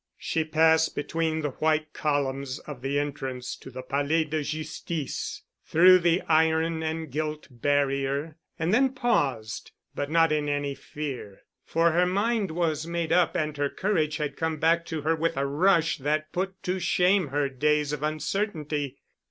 She passed between the white columns of the entrance to the Palais de Justice, through the iron and gilt barrier and then paused, but not in any fear, for her mind was made up and her courage had come back to her with a rush that put to shame her days of uncertainty.